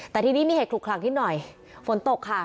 แต่ที่นี่มีเหตุผลขลังที่หน่อยฝนตกค่ะ